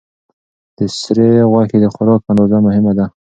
د سرې غوښې د خوراک اندازه مهمه ده.